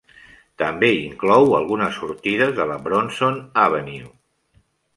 També inclou algunes sortides de la Bronson Avenue.